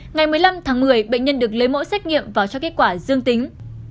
ngày một mươi năm tháng một mươi bệnh nhân được lấy mẫu xét nghiệm và cho kết quả dương tính